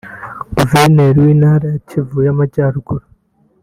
Guverineri w’Intara ya Kivu y’Amajyaruguru